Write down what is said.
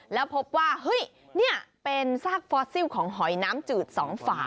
แล้วพบว่าเฮ้ยนี่เป็นซากฟอสซิลของหอยน้ำจืดสองฝา